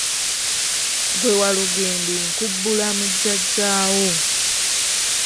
Ggwe Walugembe nkubbula mu jjajja wo.